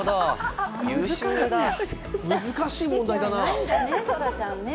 難しい問題だなぁ。